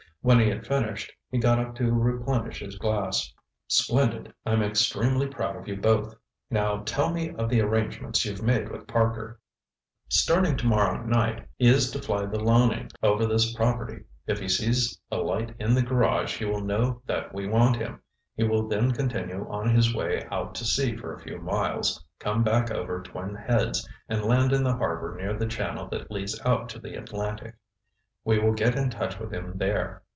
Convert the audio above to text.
When he had finished, he got up to replenish his glass. "Splendid! I'm extremely proud of you both. Now tell me of the arrangements you've made with Parker." "Starting tomorrow night, he is to fly the Loening over this property. If he sees a light in the garage he will know that we want him. He will then continue on his way out to sea for a few miles, come back over Twin Heads and land in the harbor near the channel that leads out to the Atlantic. We will get in touch with him there.